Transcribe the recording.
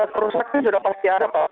kerusakan sudah pasti ada pak